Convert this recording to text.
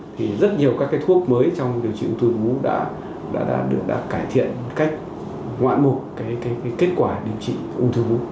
thì rất nhiều các cái thuốc mới trong điều trị ung thư vú đã được cải thiện một cách ngoạn mục kết quả điều trị ung thư